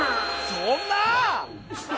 そんなあ！